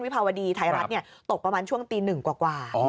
ประมาณช่วงตีหนึ่งกว่า